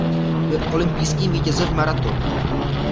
Byl olympijským vítězem v maratonu.